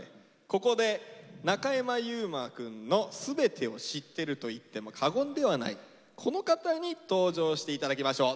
ここで中山優馬くんの全てを知ってるといっても過言ではないこの方に登場して頂きましょう。